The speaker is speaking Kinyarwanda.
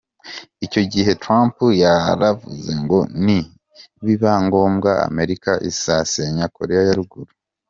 Icyo gihe Trump yaravuze ngo ni biba ngombwa Amerika isasenya Koreya ya Ruguru.